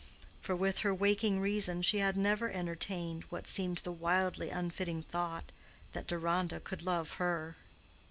For with her waking reason she had never entertained what seemed the wildly unfitting thought that Deronda could love her.